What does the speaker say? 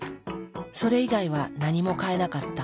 それ以外は何も変えなかった。